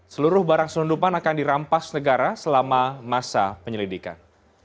seluruh barang selundupan akan dirampas negara selama masa penyelidikan